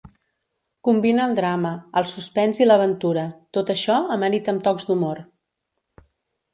Combina el drama, el suspens i l'aventura, tot això amanit amb tocs d'humor.